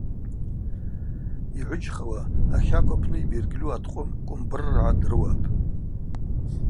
Йгӏвыджьхауа ахакв апны йбергьльу аткъвым Кӏвымбырргӏа дрыуапӏ.